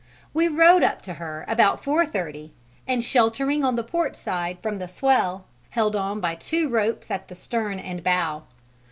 We rowed up to her about 4.30, and sheltering on the port side from the swell, held on by two ropes at the stern and bow.